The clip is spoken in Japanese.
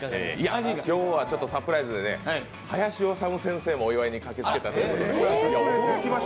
今日はサプライズで林修先生もお祝いに駆けつけてくれたということで。